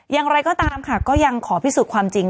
อย่างไรก็ตามค่ะก็ยังขอพิสูจน์ความจริง